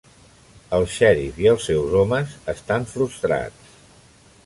El xèrif i els seus homes estan frustrats.